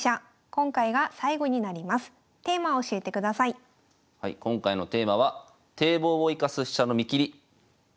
今回のテーマは「堤防を生かす飛車の見切り」です。